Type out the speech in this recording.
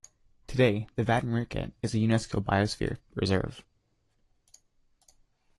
Today the Vattenriket is a Unesco biosphere reserve.